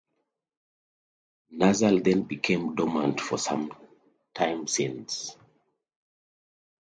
Nazxul then became dormant for some time since.